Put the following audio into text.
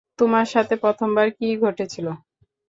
তোমার সাথে প্রথমবার কি ঘটে ছিল?